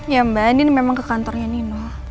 ya mbak andin memang ke kantornya nino